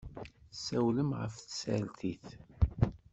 Ssawlen ɣef tsertit.